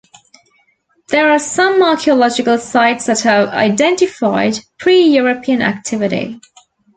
There are some archaeological sites that have identified pre-European activity.